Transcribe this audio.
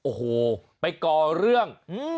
โอ้โหไปก่อเรื่อง